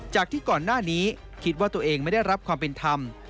จากที่ก่อนหน้านี้คิดว่าตัวเองไม่ได้รับความเป็นธรรม